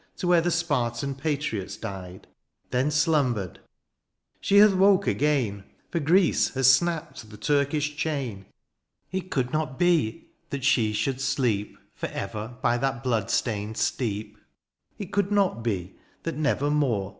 To where the Spartan patriots died. Then slumbered : she hath woke again. For Greece hath snapped the Turkish chain ; It could not be that she should sleep For ever, by that blood stained steep : It could not be that never more THE AREOPAGITE.